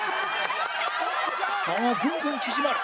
差はぐんぐん縮まる